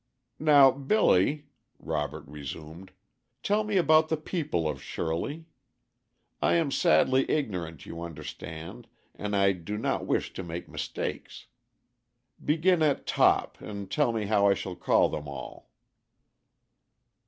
"Now, Billy," Robert resumed, "tell me about the people of Shirley. I am sadly ignorant, you understand, and I do not wish to make mistakes. Begin at top, and tell me how I shall call them all."